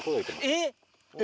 えっ？